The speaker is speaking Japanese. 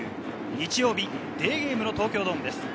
日曜日、デーゲームの東京ドームです。